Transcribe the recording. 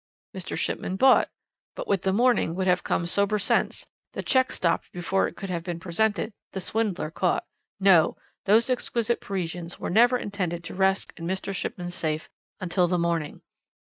"Mr. Shipman bought but with the morning would have come sober sense, the cheque stopped before it could have been presented, the swindler caught. No! those exquisite Parisians were never intended to rest in Mr. Shipman's safe until the morning.